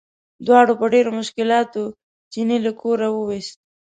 دواړو په ډېرو مشکلاتو چیني له کوره وویست.